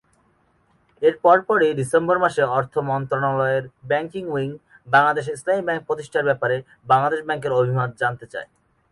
এর পরপরই ডিসেম্বর মাসে অর্থ মন্ত্রণালয়ের ব্যাংকিং উইং বাংলাদেশে ইসলামি ব্যাংক প্রতিষ্ঠার ব্যাপারে বাংলাদেশ ব্যাংকের অভিমত জানতে চায়।